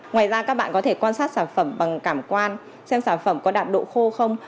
ngoài ra các bạn có thể quan sát sản phẩm bằng cảm quan xem sản phẩm có đạt độ khô không